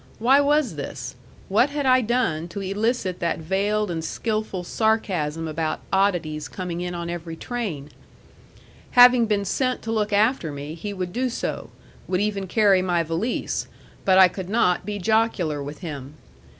Why was this? What had I done to elicit that veiled and skilful sarcasm about oddities coming in on every train? Having been sent to look after me, he would do so, would even carry my valise; but I could not be jocular with him.